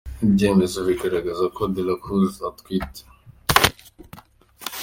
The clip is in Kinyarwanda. Ibyemezo bigaragaza ko de la Cruz atwite.